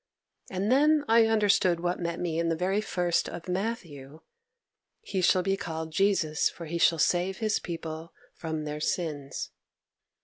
And then I understood what met me in the very first of Matthew, "He shall be called Jesus, for He shall save His people from their sins."